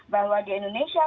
bahwa di indonesia